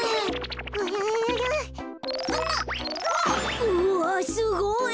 うわっすごい！